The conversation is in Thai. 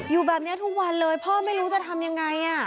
อยู่แบบนี้ทุกวันเลยพ่อไม่รู้จะทำยังไง